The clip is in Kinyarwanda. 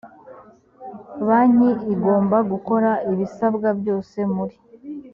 banki igomba gukora ibisabwa byose muri